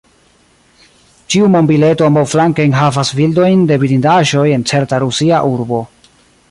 Ĉiu monbileto ambaŭflanke enhavas bildojn de vidindaĵoj en certa rusia urbo.